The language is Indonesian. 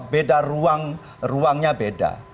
beda ruangnya beda